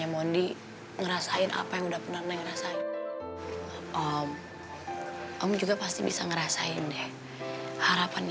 om dudung tuh penasaran